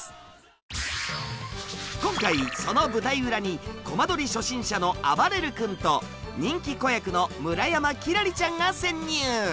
今回その舞台裏にコマ撮り初心者のあばれる君と人気子役の村山輝星ちゃんが潜入！